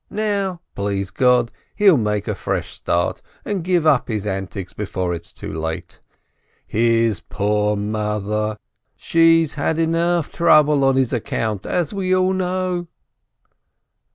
Now, please God, he'll make a fresh start, and give up his antics before it's too late. His poor mother ! She's had trouble enough on his account, as we all know."